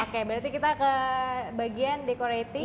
oke berarti kita ke bagian decorating